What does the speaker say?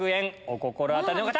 お心当たりの方！